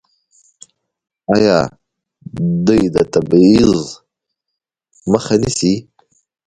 آیا دوی د تبعیض مخه نه نیسي؟